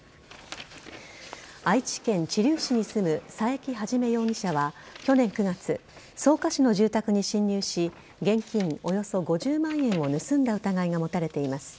愛知県知立市に住む佐伯一容疑者は去年９月、草加市の住宅に侵入し現金およそ５０万円を盗んだ疑いが持たれています。